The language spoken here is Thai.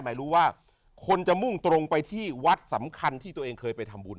ไม่รู้ว่าคนจะมุ่งตรงไปที่วัดสำคัญที่ตัวเองเคยไปทำบุญ